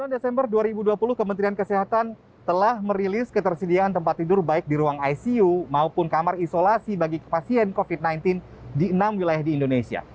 dua puluh desember dua ribu dua puluh kementerian kesehatan telah merilis ketersediaan tempat tidur baik di ruang icu maupun kamar isolasi bagi pasien covid sembilan belas di enam wilayah di indonesia